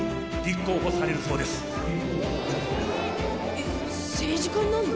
「えっ政治家になるの？」